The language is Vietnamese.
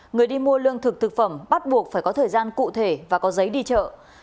người đi mua lương thực thực phẩm bắt buộc phải có thời gian cụ thể và có giấy đi chợ